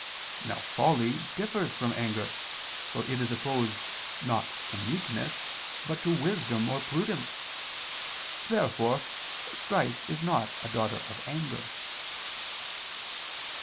Now folly differs from anger, for it is opposed, not to meekness, but to wisdom or prudence. Therefore strife is not a daughter of anger.